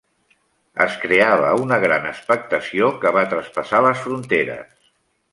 Es creava una gran expectació que va traspassar les fronteres.